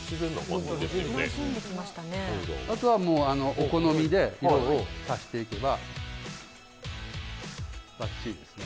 あとはお好みで色を足していけばバッチリですね。